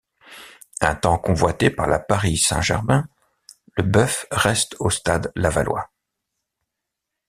Un temps convoité par la Paris Saint-Germain, Leboeuf reste au Stade Lavallois.